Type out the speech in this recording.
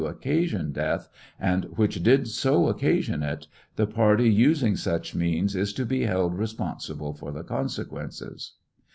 occasion death, and which did so occasion it, the party using such means is to beheld responsible for the consequences.